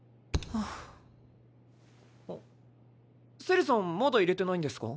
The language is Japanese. セリさんまだ入れてないんですか？